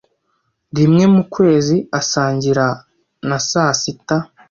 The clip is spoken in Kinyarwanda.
Rimwe mu kwezi, asangira na sasita.